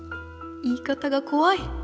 言い方がこわい！